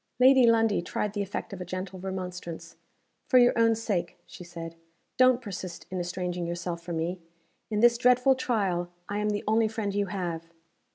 Lady Lundie tried the effect of a gentle remonstrance. "For your own sake," she said, "don't persist in estranging yourself from me. In this dreadful trial, I am the only friend you have."